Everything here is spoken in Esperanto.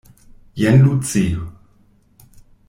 Jen Luci.